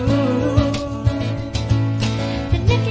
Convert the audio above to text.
kuyakin kau tahu